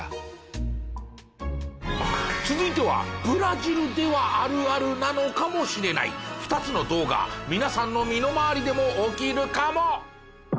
続いてはブラジルではあるあるなのかもしれない２つの動画皆さんの身の回りでも起きるかも。